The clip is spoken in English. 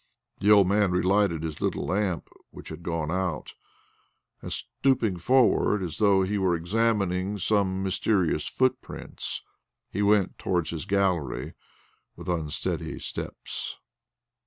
The old man re lighted his little lamp, which had gone out, and stooping forward, as though he were examining some mysterious footprints, he went towards his gallery with unsteady steps.